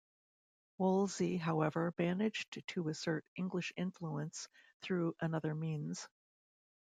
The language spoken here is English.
Wolsey, however, managed to assert English influence through another means.